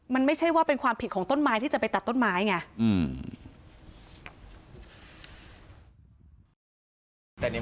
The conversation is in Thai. มันไม่ใช่ว่าเป็นความผิดของต้นไม้ที่จะไปตัดต้นไม้ไง